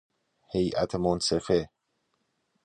هیئت منصفه